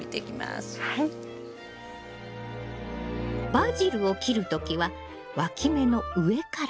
バジルを切る時はわき芽の上から。